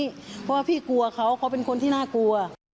เพราะว่าพี่กลัวเขาเขาเป็นคนที่น่ากลัว